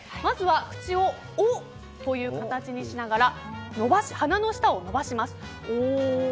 口を、おの形にしながら鼻の下を伸ばします。